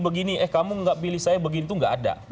begini eh kamu gak pilih saya begini itu gak ada